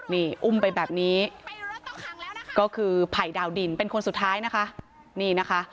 นี่อุ้มไปแบบนี้ก็คือไผ่ดาวดินเป็นคนสุดท้ายนะคะนี่นะคะ